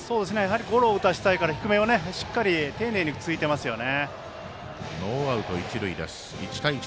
ゴロを打たせたいから低めをしっかり丁寧についていますよね。